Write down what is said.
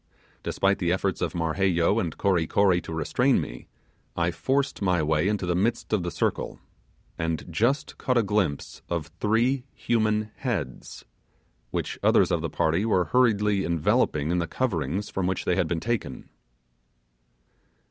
Despite the efforts of Marheyo and Kory Kory to restrain me, I forced my way into the midst of the circle, and just caught a glimpse of three human heads, which others of the party were hurriedly enveloping in the coverings from which they had been taken.